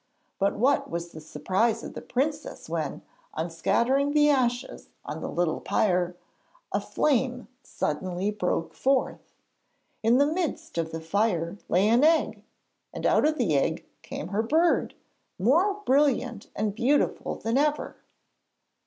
But what was the surprise of the princess when, on scattering the ashes on the little pyre, a flame suddenly broke forth! In the midst of the fire lay an egg, and out of the egg came her bird, more brilliant and beautiful than ever!